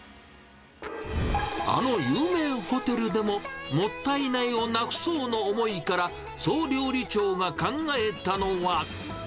あの有名ホテルでも、もったいないをなくそうの思いから、総料理長が考えたのは。